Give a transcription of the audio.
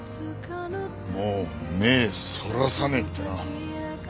もう目ぇそらさねえってな。